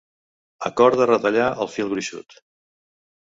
Acorda retallar el fil gruixut.